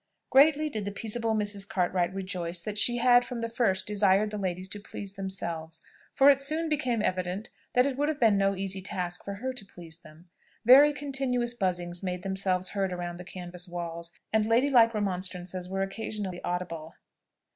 Greatly did the peaceable Mrs. Cartwright rejoice that she had from the first desired the ladies to please themselves; for it soon became evident that it would have been no easy task for her to please them. Very continuous buzzings made themselves heard around the canvass walls; and lady like remonstrances were occasionally audible.